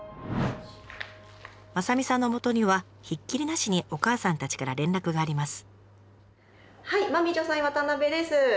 雅美さんのもとにはひっきりなしにお母さんたちから連絡があります。